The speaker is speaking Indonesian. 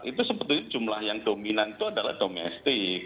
itu sebetulnya jumlah yang dominan itu adalah domestik